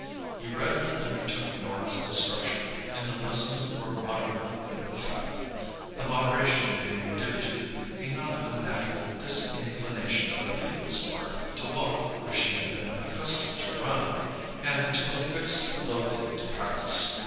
He readily undertook Norah's instruction, and the lessons bore moderately good effect—the moderation being due to a not unnatural disinclination on the pupil's part to walk where she had been accustomed to run, and to a fixed loathing to practice.